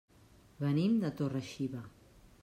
Venim de Torre-xiva.